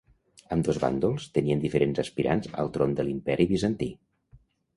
Ambdós bàndols tenien diferents aspirants al tron de l'Imperi Bizantí.